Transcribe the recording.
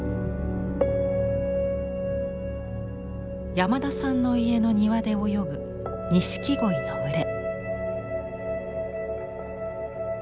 山田さんの家の庭で泳ぐ錦鯉の群れ。